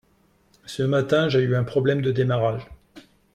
Ce matin, j’ai eu un problème de démarrage.